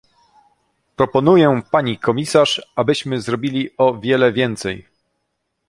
Proponuję pani komisarz, abyśmy zrobili o wiele więcej